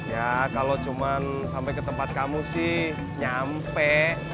ya kalau cuma sampai ke tempat kamu sih nyampe